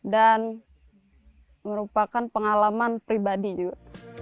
dan merupakan pengalaman pribadi juga